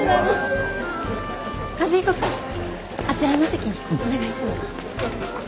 和彦君あちらの席にお願いします。